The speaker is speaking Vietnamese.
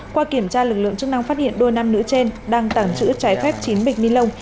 qua kiểm tra lực lượng chức năng phát hiện đôi nam nữ trên đang tàng trữ trái phép chín bịch ni lông